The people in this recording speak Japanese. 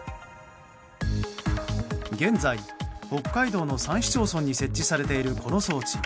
現在、北海道の３市町村に設置されているこの装置。